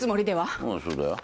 ああそうだよ。